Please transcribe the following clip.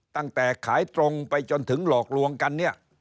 ตั้งแต่ขายตรงไปจนถึงหลอกลวงกันเนี่ย